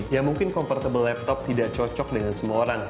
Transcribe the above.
ya mungkin comfortable laptop tidak cocok dengan semua orang